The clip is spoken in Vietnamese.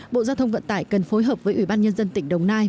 bộ giao thông vận tải cần phối hợp với ủy ban nhân dân tỉnh đồng nai